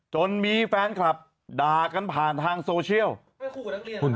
จนมีแฟนคลับด่ากันผ่านทางโซเชียล